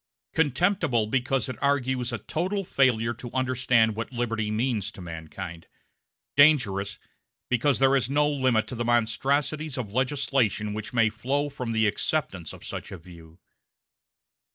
Contemptible, because it argues a total failure to understand what liberty means to mankind; dangerous, because there is no limit to the monstrosities of legislation which may flow from the acceptance of such a view.